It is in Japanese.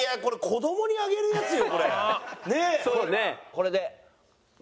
これで。